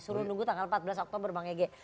suruh nunggu tanggal empat belas oktober bang ege